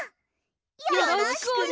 よろしくね。